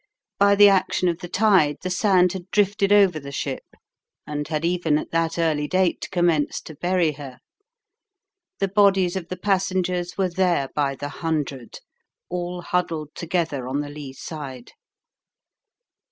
By the action of the tide the sand had drifted over the ship, and had even at that early date commenced to bury her. The bodies of the passengers were there by the hundred, all huddled together on the lee side.